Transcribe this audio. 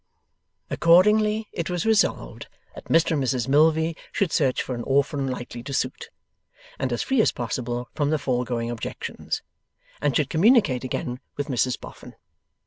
Accordingly, it was resolved that Mr and Mrs Milvey should search for an orphan likely to suit, and as free as possible from the foregoing objections, and should communicate again with Mrs Boffin.